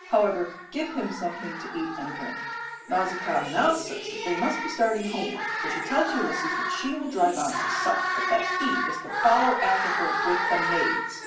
However, give him something to eat and drink." Nausicaa now says they must be starting homeward; so she tells Ulysses that she will drive on first herself, but that he is to follow after her with the maids.